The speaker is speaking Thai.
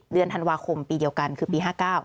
เดือนธันวาคมปีเดียวกันคือปี๕๙